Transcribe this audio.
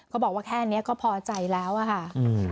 บอกว่าแค่นี้ก็พอใจแล้วอะค่ะ